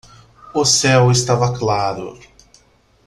O céu estava claro.